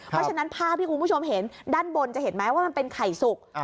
เพราะฉะนั้นภาพที่คุณผู้ชมเห็นด้านบนจะเห็นไหมว่ามันเป็นไข่สุก